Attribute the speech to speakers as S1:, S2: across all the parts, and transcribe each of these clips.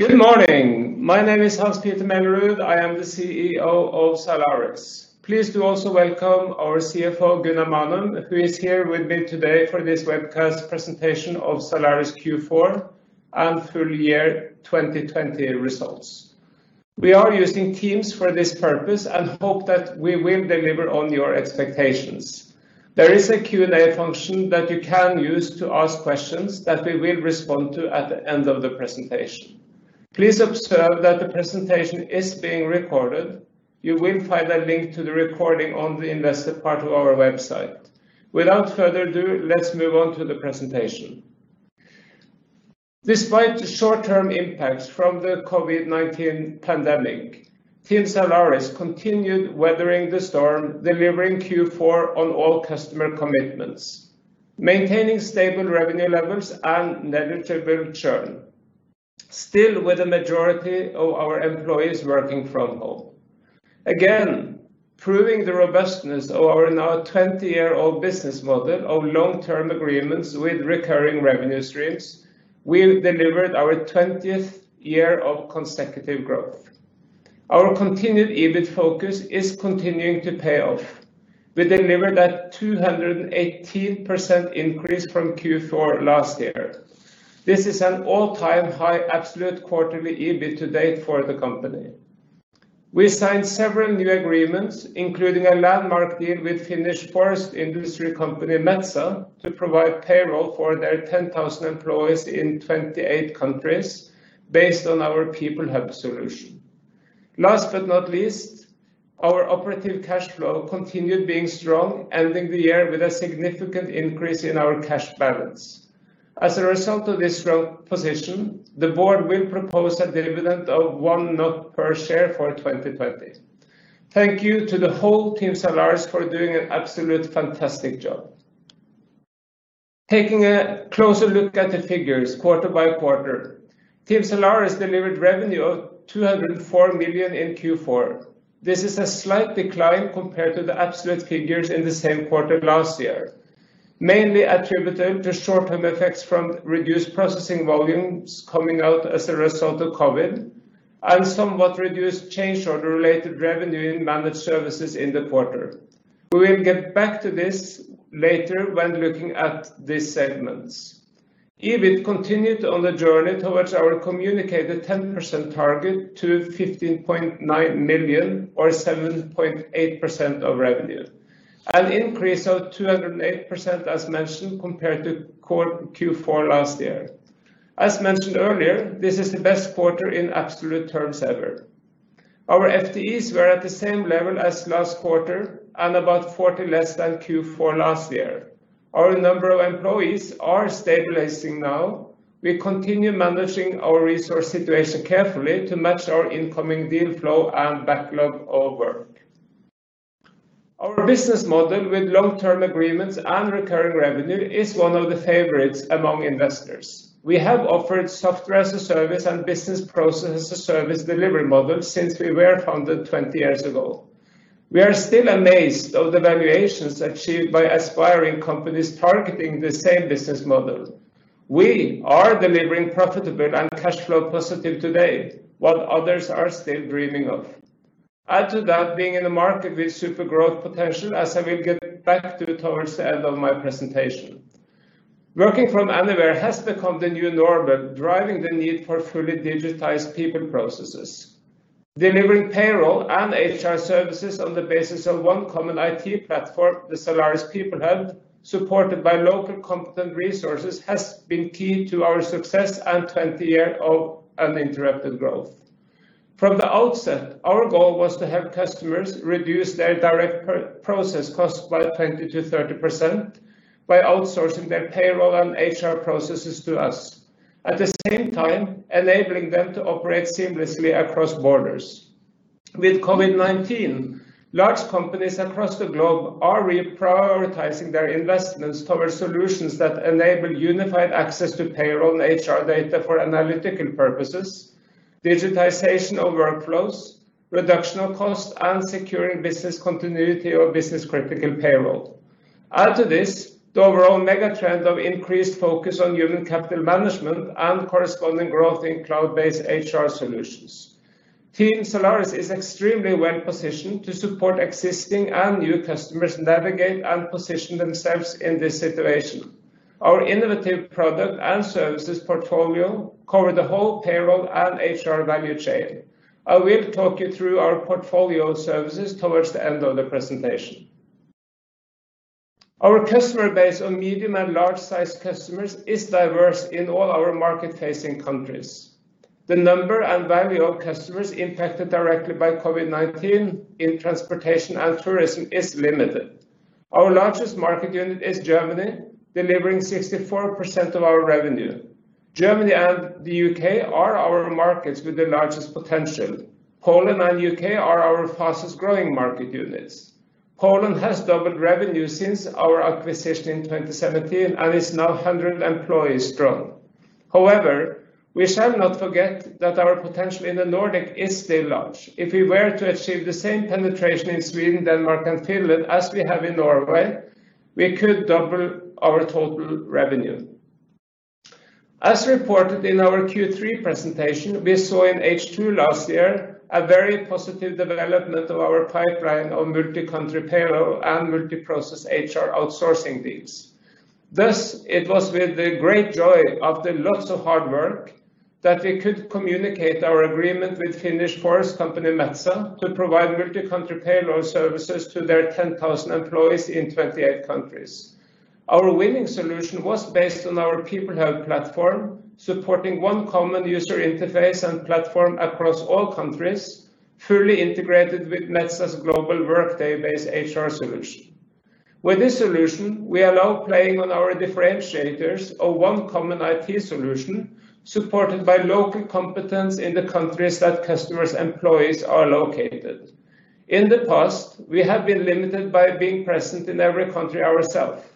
S1: Good morning. My name is Hans-Petter Mellerud. I am the CEO of Zalaris. Please do also welcome our CFO, Gunnar Manum, who is here with me today for this webcast presentation of Zalaris Q4 and full year 2020 results. We are using Teams for this purpose and hope that we will deliver on your expectations. There is a Q&A function that you can use to ask questions that we will respond to at the end of the presentation. Please observe that the presentation is being recorded. You will find a link to the recording on the investor part of our website. Without further ado, let's move on to the presentation. Despite the short-term impacts from the COVID-19 pandemic, Team Zalaris continued weathering the storm, delivering Q4 on all customer commitments, maintaining stable revenue levels and negligible churn, still with a majority of our employees working from home. Again, proving the robustness of our now 20-year-old business model of long-term agreements with recurring revenue streams, we delivered our 20th year of consecutive growth. Our continued EBIT focus is continuing to pay off. We delivered a 218% increase from Q4 last year. This is an all-time high absolute quarterly EBIT to date for the company. We signed several new agreements, including a landmark deal with Finnish Forest industry company, Metsä, to provide payroll for their 10,000 employees in 28 countries based on our PeopleHub solution. Last but not least, our operative cash flow continued being strong, ending the year with a significant increase in our cash balance. As a result of this strong position, the board will propose a dividend of 1 NOK per share for 2020. Thank you to the whole Team Zalaris for doing an absolute fantastic job. Taking a closer look at the figures quarter by quarter, Zalaris delivered revenue of 204 million in Q4. This is a slight decline compared to the absolute figures in the same quarter last year, mainly attributed to short-term effects from reduced processing volumes coming out as a result of COVID and somewhat reduced change order related revenue in Managed Services in the quarter. We will get back to this later when looking at these segments. EBIT continued on the journey towards our communicated 10% target to 15.9 million or 7.8% of revenue, an increase of 208%, as mentioned, compared to Q4 last year. As mentioned earlier, this is the best quarter in absolute terms ever. Our FTEs were at the same level as last quarter and about 40 less than Q4 last year. Our number of employees are stabilizing now. We continue managing our resource situation carefully to match our incoming deal flow and backlog of work. Our business model with long-term agreements and recurring revenue is one of the favorites among investors. We have offered Software as a Service and business process as a service delivery model since we were founded 20 years ago. We are still amazed of the valuations achieved by aspiring companies targeting the same business model. We are delivering profitable and cash flow positive to date, what others are still dreaming of. Add to that being in a market with super growth potential, as I will get back to towards the end of my presentation. Working from anywhere has become the new normal, driving the need for fully digitized people, processes. Delivering payroll and HR services on the basis of one common IT platform, the Zalaris PeopleHub, supported by local competent resources, has been key to our success and 20 year of uninterrupted growth. From the outset, our goal was to have customers reduce their direct process cost by 20% to 30% by outsourcing their payroll and HR processes to us, at the same time enabling them to operate seamlessly across borders. With COVID-19, large companies across the globe are reprioritizing their investments towards solutions that enable unified access to payroll and HR data for analytical purposes, digitization of workflows, reduction of cost, and securing business continuity or business critical payroll. Add to this, the overall mega trend of increased focus on human capital management and corresponding growth in cloud-based HR solutions. Team Zalaris is extremely well positioned to support existing and new customers navigate and position themselves in this situation. Our innovative product and services portfolio cover the whole payroll and HR value chain. I will talk you through our portfolio of services towards the end of the presentation. Our customer base of medium and large size customers is diverse in all our market facing countries. The number and value of customers impacted directly by COVID-19 in transportation and tourism is limited. Our largest market unit is Germany, delivering 64% of our revenue. Germany and the U.K. are our markets with the largest potential. Poland and U.K. are our fastest growing market units. Poland has doubled revenue since our acquisition in 2017 and is now 100 employees strong. However, we shall not forget that our potential in the Nordic is still large. If we were to achieve the same penetration in Sweden, Denmark and Finland as we have in Norway, we could double our total revenue. As reported in our Q3 presentation, we saw in H2 last year a very positive development of our pipeline of multi-country payroll and multi-process HR outsourcing deals. Thus, it was with great joy after lots of hard work that we could communicate our agreement with Finnish Forest company Metsä to provide multi-country payroll services to their 10,000 employees in 28 countries. Our winning solution was based on our PeopleHub platform, supporting one common user interface and platform across all countries, fully integrated with Metsä's global Workday based HR solution. With this solution, we are now playing on our differentiators of one common IT solution supported by local competence in the countries that customers' employees are located. In the past, we have been limited by being present in every country ourself.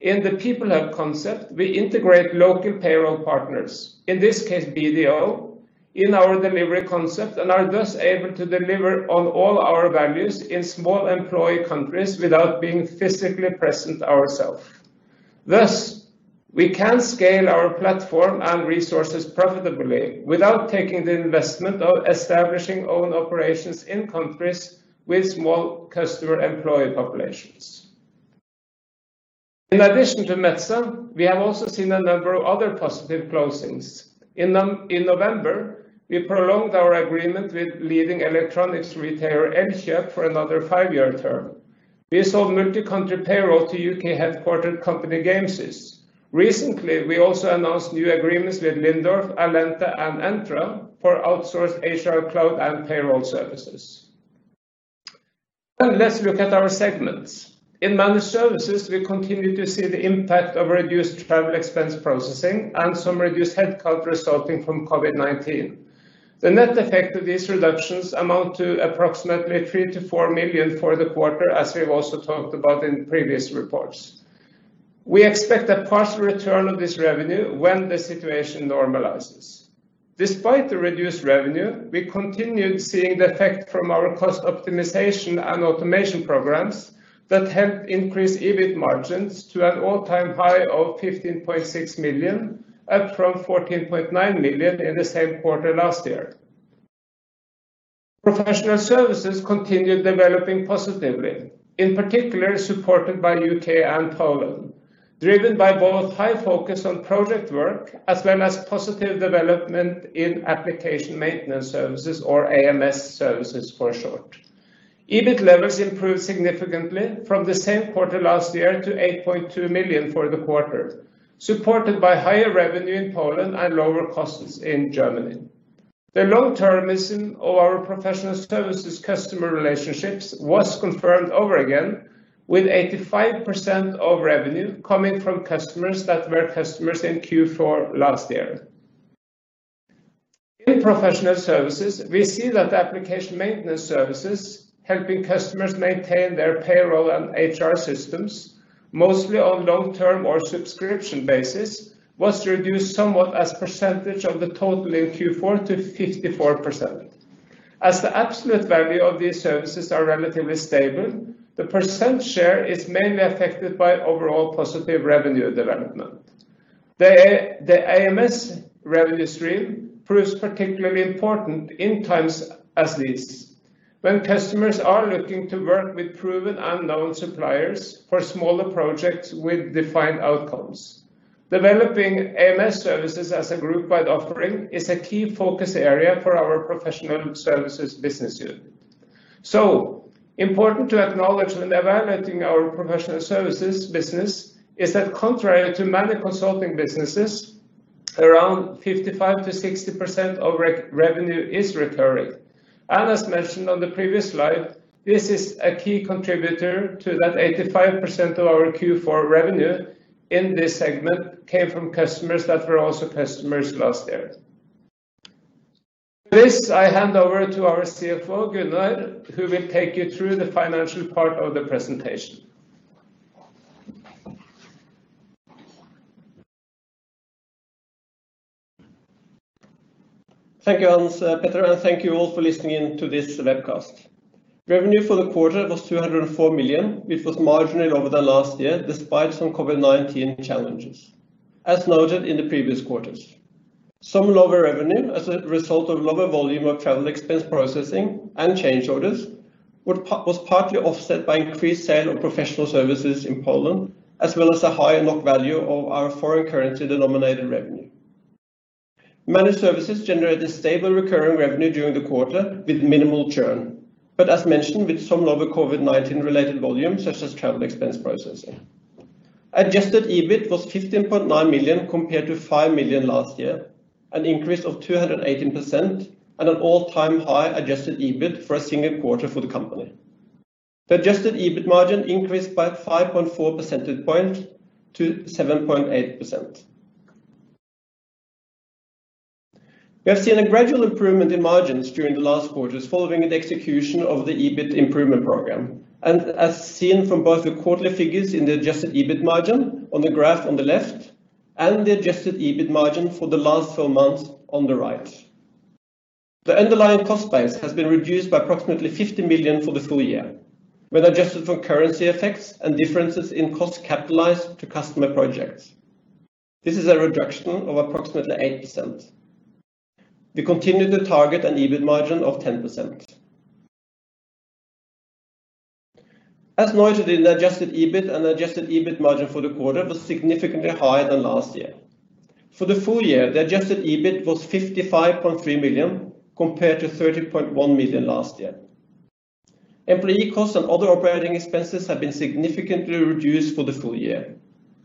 S1: In the PeopleHub concept, we integrate local payroll partners, in this case BDO, in our delivery concept, and are thus able to deliver on all our values in small employee countries without being physically present ourself. Thus, we can scale our platform and resources profitably without taking the investment of establishing own operations in countries with small customer employee populations. In addition to Metsä, we have also seen a number of other positive closings. In November, we prolonged our agreement with leading electronics retailer Elkjøp for another five-year term. We sold multi-country payroll to U.K. headquartered company Gamesys. Recently, we also announced new agreements with Lindorff, Alenta, and Entra for outsourced HR cloud and payroll services. Let's look at our segments. In Managed Services, we continue to see the impact of reduced travel expense processing and some reduced headcount resulting from COVID-19. The net effect of these reductions amount to approximately 3 million to 4 million for the quarter, as we've also talked about in previous reports. We expect a partial return of this revenue when the situation normalizes. Despite the reduced revenue, we continued seeing the effect from our cost optimization and automation programs that helped increase EBIT margins to an all-time high of 15.6 million, up from 14.9 million in the same quarter last year. Professional Services continued developing positively. In particular, supported by U.K. and Poland, driven by both high focus on project work as well as positive development in application maintenance services or AMS services for short. EBIT levels improved significantly from the same quarter last year to 8.2 million for the quarter, supported by higher revenue in Poland and lower costs in Germany. The long-termism of our Professional Services customer relationships was confirmed over again with 85% of revenue coming from customers that were customers in Q4 last year. In Professional Services, we see that application maintenance services helping customers maintain their payroll and HR systems, mostly on long-term or subscription basis, was reduced somewhat as percentage of the total in Q4 to 54%. As the absolute value of these services are relatively stable, the percent share is mainly affected by overall positive revenue development. The AMS revenue stream proves particularly important in times as these, when customers are looking to work with proven and known suppliers for smaller projects with defined outcomes. Developing AMS services as a group-wide offering is a key focus area for our Professional Services business unit. Important to acknowledge when evaluating our Professional Services business is that contrary to many consulting businesses, around 55%-60% of revenue is recurring. As mentioned on the previous slide, this is a key contributor to that 85% of our Q4 revenue in this segment came from customers that were also customers last year. With this, I hand over to our CFO, Gunnar, who will take you through the financial part of the presentation.
S2: Thank you, Hans and thank you all for listening in to this webcast. Revenue for the quarter was 204 million, which was marginally over the last year, despite some COVID-19 challenges, as noted in the previous quarters. Some lower revenue as a result of lower volume of travel expense processing and change orders was partly offset by increased sale of Professional Services in Poland, as well as a higher NOK value of our foreign currency denominated revenue. Managed Services generated stable recurring revenue during the quarter with minimal churn, but as mentioned, with some lower COVID-19 related volume such as travel expense processing. Adjusted EBIT was 15.9 million compared to 5 million last year, an increase of 218% and an all-time high adjusted EBIT for a single quarter for the company. The adjusted EBIT margin increased by 5.4 percentage point to 7.8%. We have seen a gradual improvement in margins during the last quarters following the execution of the EBIT Improvement Program, and as seen from both the quarterly figures in the adjusted EBIT margin on the graph on the left and the adjusted EBIT margin for the last 12 months on the right. The underlying cost base has been reduced by approximately 50 million for the full year when adjusted for currency effects and differences in costs capitalized to customer projects. This is a reduction of approximately 8%. We continue to target an EBIT margin of 10%. As noted, the adjusted EBIT and adjusted EBIT margin for the quarter was significantly higher than last year. For the full year, the adjusted EBIT was 55.3 million, compared to 30.1 million last year. Employee costs and other operating expenses have been significantly reduced for the full year.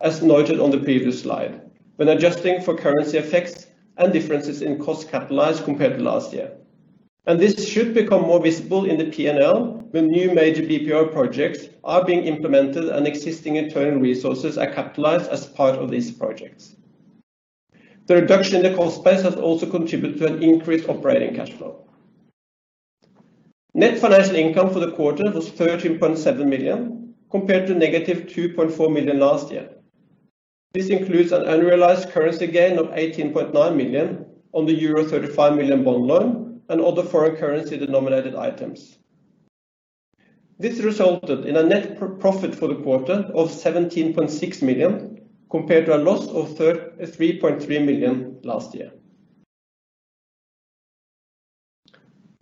S2: As noted on the previous slide, when adjusting for currency effects and differences in costs capitalized compared to last year. This should become more visible in the P&L when new major BPO projects are being implemented and existing internal resources are capitalized as part of these projects. The reduction in the cost base has also contributed to an increased operating cash flow. Net financial income for the quarter was NOK 13.7 million, compared to NOK -2.4 million last year. This includes an unrealized currency gain of NOK 18.9 million on the EUR 35 million bond loan and other foreign currency denominated items. This resulted in a net profit for the quarter of 17.6 million, compared to a loss of 3.3 million last year.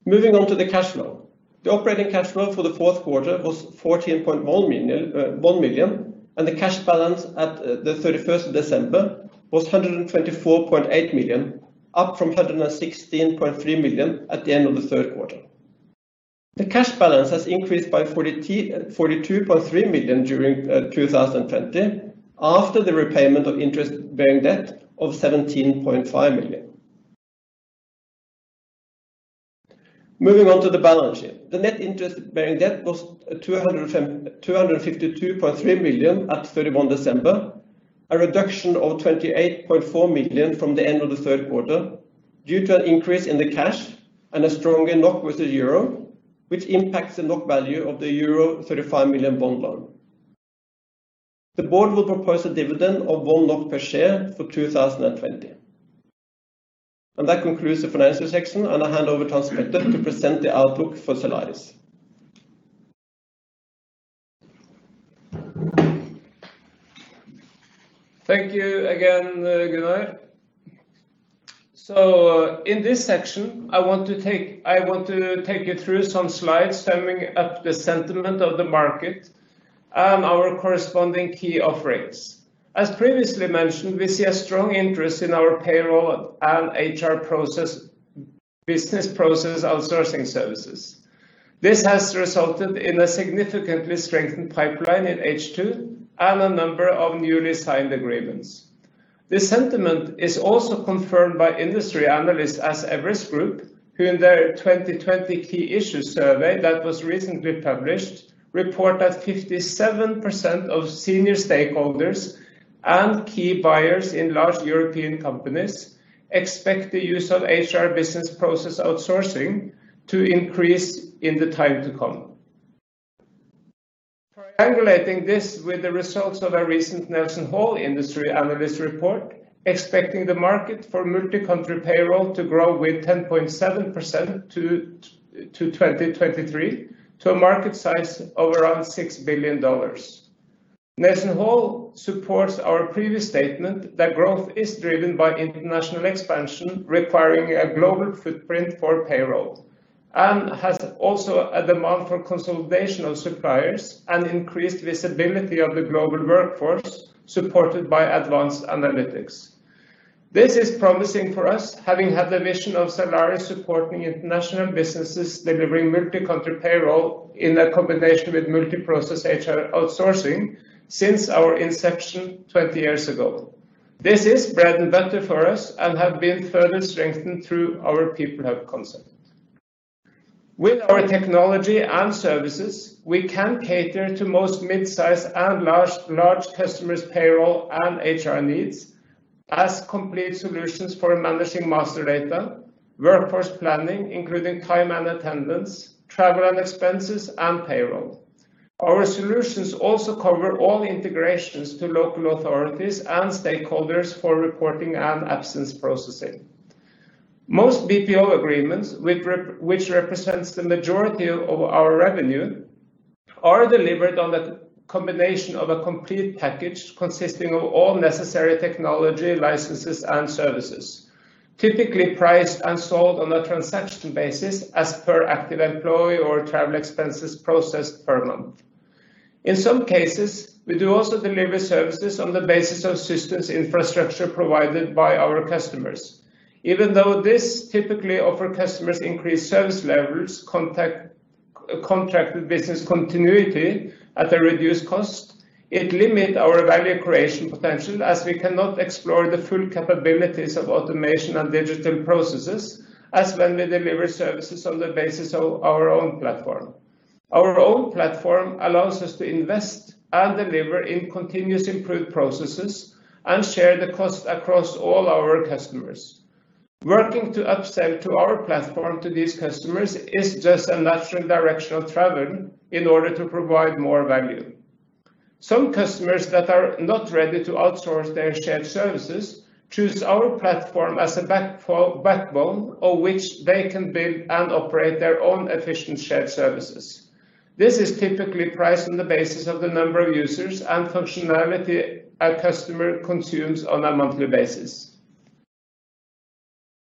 S2: Moving on to the cash flow. The operating cash flow for the fourth quarter was 14.1 million, the cash balance at the 31st of December was 124.8 million, up from 116.3 million at the end of the third quarter. The cash balance has increased by 42.3 million during 2020, after the repayment of interest-bearing debt of 17.5 million. Moving on to the balance sheet. The net interest bearing debt was 252.3 million at 31 December, a reduction of 28.4 million from the end of the third quarter due to an increase in the cash and a stronger NOK with the EUR, which impacts the NOK value of the euro 35 million bond loan. The board will propose a dividend of 1 NOK per share for 2020. That concludes the financial section, and I hand over to Hans-Petter to present the outlook for Zalaris.
S1: Thank you again, Gunnar. In this section, I want to take you through some slides summing up the sentiment of the market and our corresponding key offerings. As previously mentioned, we see a strong interest in our payroll and HR business process outsourcing services. This has resulted in a significantly strengthened pipeline in H2 and a number of newly signed agreements. This sentiment is also confirmed by industry analysts as Everest Group, who in their 2020 key issue survey that was recently published, report that 57% of senior stakeholders and key buyers in large European companies expect the use of HR business process outsourcing to increase in the time to come. Triangulating this with the results of a recent NelsonHall industry analyst report expecting the market for multi-country payroll to grow with 10.7% to 2023 to a market size of around $6 billion. NelsonHall supports our previous statement that growth is driven by international expansion requiring a global footprint for payroll and has also a demand for consolidation of suppliers and increased visibility of the global workforce supported by advanced analytics. This is promising for us, having had the vision of Zalaris supporting international businesses delivering multi-country payroll in a combination with multi-process HR outsourcing since our inception 20 years ago. This is bread and butter for us and have been further strengthened through our PeopleHub concept. With our technology and services, we can cater to most midsize and large customers' payroll and HR needs as complete solutions for managing master data, workforce planning, including time and attendance, travel and expenses, and payroll. Our solutions also cover all integrations to local authorities and stakeholders for reporting and absence processing. Most BPO agreements, which represents the majority of our revenue, are delivered on a combination of a complete package consisting of all necessary technology licenses and services, typically priced and sold on a transaction basis as per active employee or travel expenses processed per month. In some cases, we do also deliver services on the basis of systems infrastructure provided by our customers. Even though this typically offer customers increased service levels, contracted business continuity at a reduced cost, it limit our value creation potential as we cannot explore the full capabilities of automation and digital processes as when we deliver services on the basis of our own platform. Our own platform allows us to invest and deliver in continuous improved processes and share the cost across all our customers. Working to upsell to our platform to these customers is just a natural direction of travel in order to provide more value. Some customers that are not ready to outsource their shared services choose our platform as a backbone on which they can build and operate their own efficient shared services. This is typically priced on the basis of the number of users and functionality a customer consumes on a monthly basis.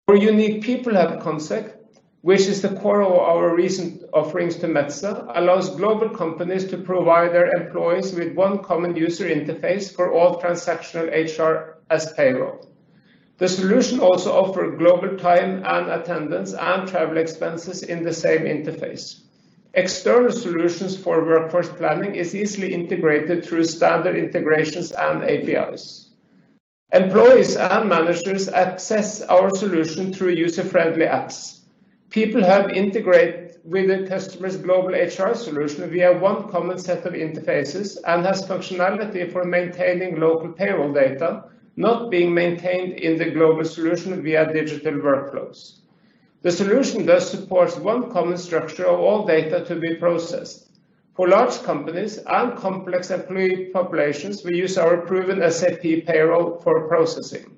S1: Our unique PeopleHub concept, which is the core of our recent offerings to Metsä, allows global companies to provide their employees with one common user interface for all transactional HR as payroll. The solution also offers global time and attendance and travel expenses in the same interface. External solutions for workforce planning is easily integrated through standard integrations and APIs. Employees and managers access our solution through user-friendly apps. PeopleHub integrates with the customer's global HR solution via one common set of interfaces and has functionality for maintaining local payroll data not being maintained in the global solution via digital workflows. The solution thus supports one common structure of all data to be processed. For large companies and complex employee populations, we use our proven SAP payroll for processing,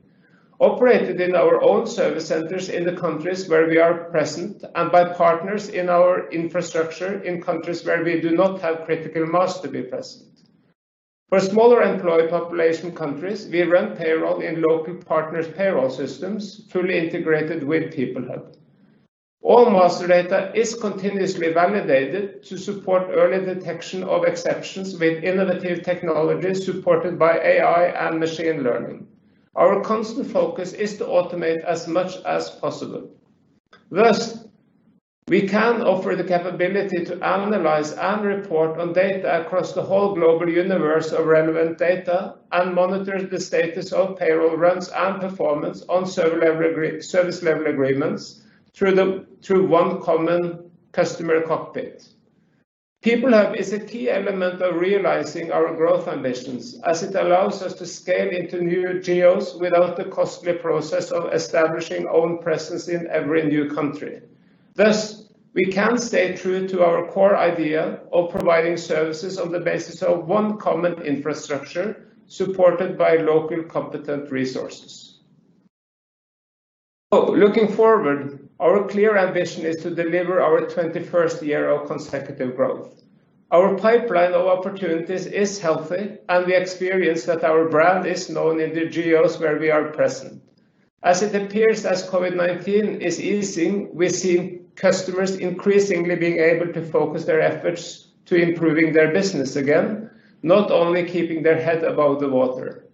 S1: operated in our own service centers in the countries where we are present and by partners in our infrastructure in countries where we do not have critical mass to be present. For smaller employee population countries, we run payroll in local partners' payroll systems, fully integrated with PeopleHub. All master data is continuously validated to support early detection of exceptions with innovative technologies supported by AI and machine learning. Our constant focus is to automate as much as possible. Thus, we can offer the capability to analyze and report on data across the whole global universe of relevant data and monitor the status of payroll runs and performance on service level agreements through one common customer cockpit. PeopleHub is a key element of realizing our growth ambitions, as it allows us to scale into new geos without the costly process of establishing own presence in every new country. Thus, we can stay true to our core idea of providing services on the basis of one common infrastructure supported by local competent resources. Looking forward, our clear ambition is to deliver our 21st year of consecutive growth. Our pipeline of opportunities is healthy, and we experience that our brand is known in the geos where we are present. As it appears as COVID-19 is easing, we're seeing customers increasingly being able to focus their efforts to improving their business again, not only keeping their head above the water.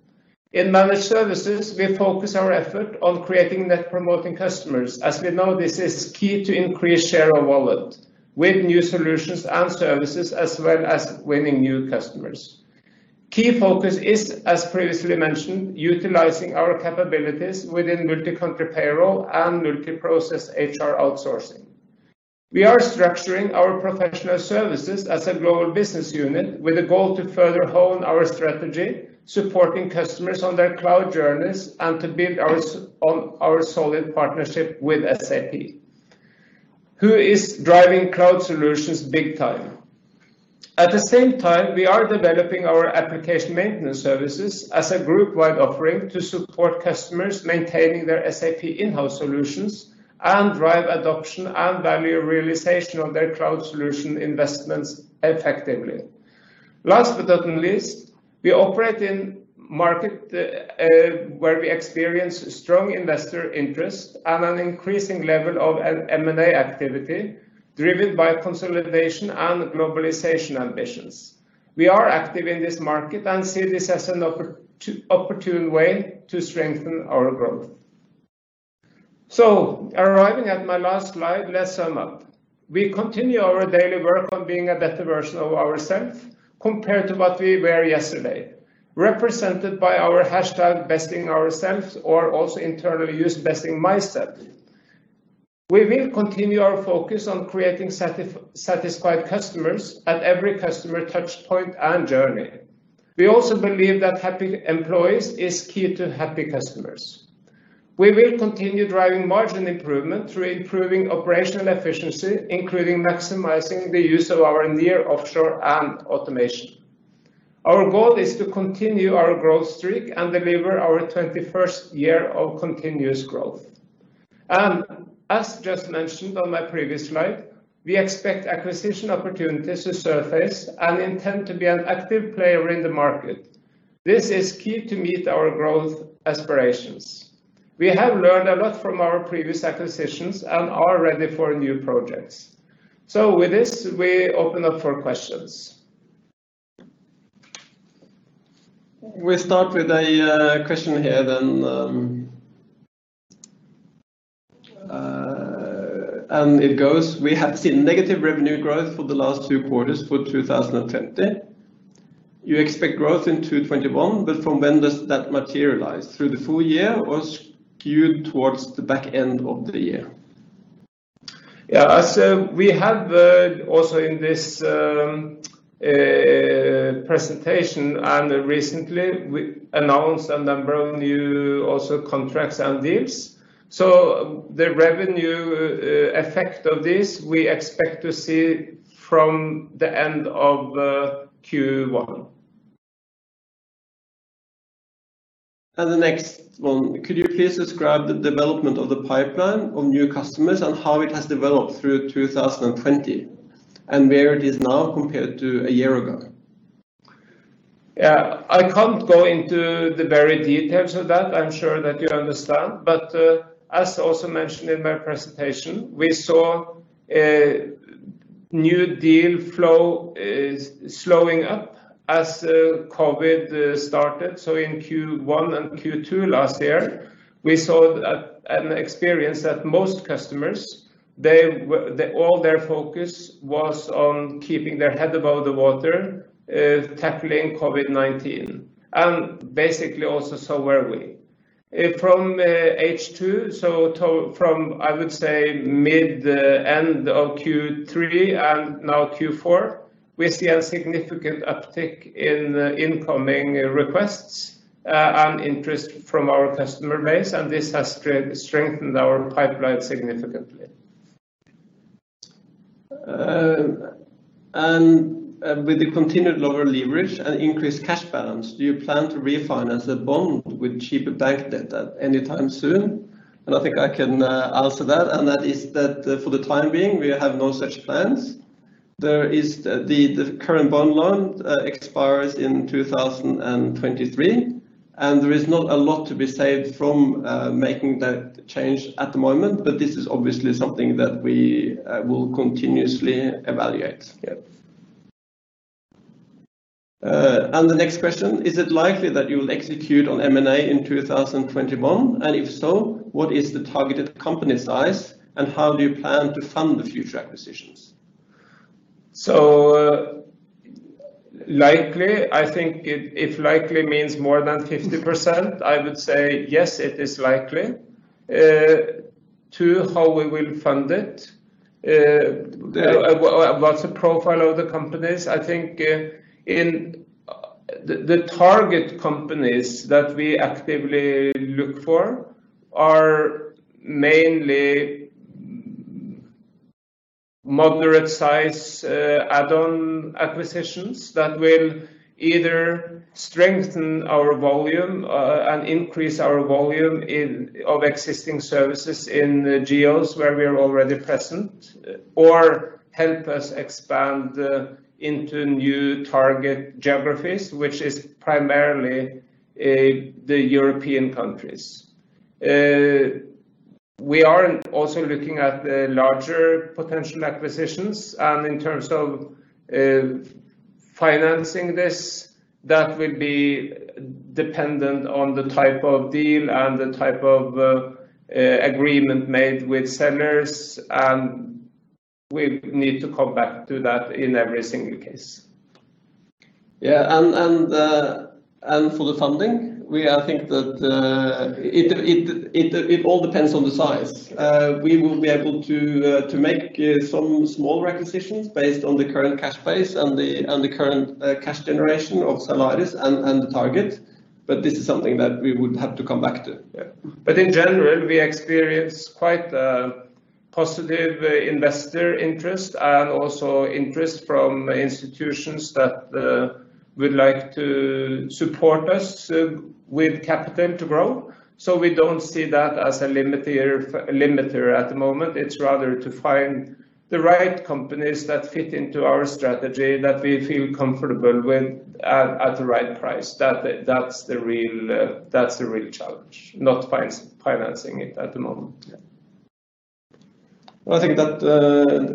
S1: In Managed Services, we focus our effort on creating net promoting customers, as we know this is key to increased share of wallet, with new solutions and services as well as winning new customers. Key focus is, as previously mentioned, utilizing our capabilities within multi-country payroll and multi-process HR outsourcing. We are structuring our Professional Services as a global business unit with a goal to further hone our strategy, supporting customers on their cloud journeys and to build on our solid partnership with SAP, who is driving cloud solutions big time. At the same time, we are developing our Application Maintenance Services as a group-wide offering to support customers maintaining their SAP in-house solutions and drive adoption and value realization of their cloud solution investments effectively. We operate in market where we experience strong investor interest and an increasing level of M&A activity driven by consolidation and globalization ambitions. We are active in this market and see this as an opportune way to strengthen our growth. Arriving at my last slide, let's sum up. We continue our daily work on being a better version of ourselves compared to what we were yesterday, represented by our hashtag #BestingOurselves, or also internally used Besting Mindset. We will continue our focus on creating satisfied customers at every customer touch point and journey. We also believe that happy employees is key to happy customers. We will continue driving margin improvement through improving operational efficiency, including maximizing the use of our near offshore and automation. Our goal is to continue our growth streak and deliver our 21st year of continuous growth. As just mentioned on my previous slide, we expect acquisition opportunities to surface and intend to be an active player in the market. This is key to meet our growth aspirations. We have learned a lot from our previous acquisitions and are ready for new projects. With this, we open up for questions.
S2: We start with a question here then. It goes: We have seen negative revenue growth for the last two quarters for 2020. You expect growth in 2021, but from when does that materialize? Through the full year or skewed towards the back end of the year?
S1: Yeah. As we have also in this presentation and recently, we announced a number of new also contracts and deals. The revenue effect of this, we expect to see from the end of Q1.
S2: The next one, could you please describe the development of the pipeline of new customers and how it has developed through 2020, and where it is now compared to a year ago?
S1: Yeah. I can't go into the very details of that. I'm sure that you understand. As also mentioned in my presentation, we saw a new deal flow is slowing up as COVID started. In Q1 and Q2 last year, we saw an experience that most customers, all their focus was on keeping their head above the water, tackling COVID-19, and basically also so were we. From H2, from mid-end of Q3 and now Q4, we see a significant uptick in incoming requests and interest from our customer base, and this has strengthened our pipeline significantly.
S2: With the continued lower leverage and increased cash balance, do you plan to refinance the bond with cheaper debt at any time soon? I think I can answer that, and that is that for the time being, we have no such plans. The current bond loan expires in 2023, and there is not a lot to be saved from making that change at the moment, but this is obviously something that we will continuously evaluate. The next question, is it likely that you will execute on M&A in 2021, and if so, what is the targeted company size, and how do you plan to fund the future acquisitions?
S1: Likely, I think if likely means more than 50%, I would say yes, it is likely. Two, how we will fund it. What's the profile of the companies? I think the target companies that we actively look for are mainly moderate size add-on acquisitions that will either strengthen our volume and increase our volume of existing services in geos where we are already present, or help us expand into new target geographies, which is primarily the European countries. We are also looking at the larger potential acquisitions, and in terms of financing this, that will be dependent on the type of deal and the type of agreement made with sellers, and we need to come back to that in every single case.
S2: Yeah. And for the funding, I think that it all depends on the size. We will be able to make some small requisitions based on the current cash base and the current cash generation of Zalaris and the target, but this is something that we would have to come back to.
S1: In general, we experience quite a positive investor interest and also interest from institutions that would like to support us with capital to grow. We don't see that as a limiter at the moment. It's rather to find the right companies that fit into our strategy that we feel comfortable with and at the right price. That's the real challenge, not financing it at the moment.
S2: Yeah. I think that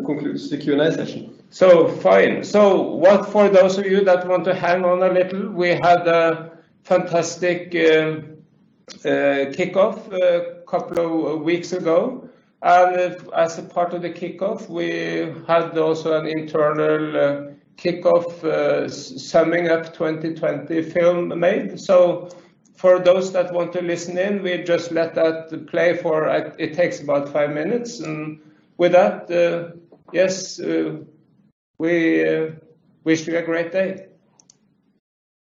S2: concludes the Q&A session.
S1: So, fine. For those of you that want to hang on a little, we had a fantastic kickoff a couple of weeks ago, and as a part of the kickoff, we had also an internal kickoff summing up 2020 film made. For those that want to listen in, we just let that play for, it takes about five minutes. With that, yes, we wish you a great day.